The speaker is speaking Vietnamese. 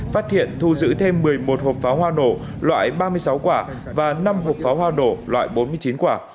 phát hiện thu giữ thêm một mươi một hộp pháo hoa nổ loại ba mươi sáu quả và năm hộp pháo hoa nổ loại bốn mươi chín quả